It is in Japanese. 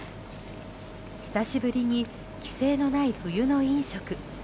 久しぶりに規制のない冬の飲食。